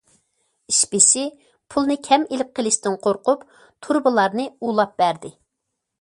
ئىش بېشى پۇلنى كەم ئېلىپ قېلىشتىن قورقۇپ، تۇرۇبىلارنى ئۇلاپ بەردى.